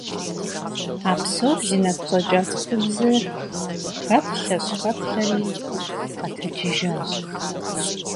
А псор зи нэгу щӀэкӀа цӀыхубзыр, хэплъэщ-хэплъэри, къэтэджыжащ.